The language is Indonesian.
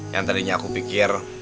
yang tadinya aku pikir